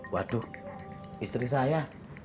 waduh istri saya